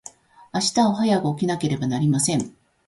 明日は早く起きなければなりません。